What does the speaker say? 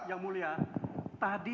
yang mulia tadi